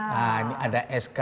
nah ini ada sk